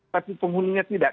tapi penghuninya tidak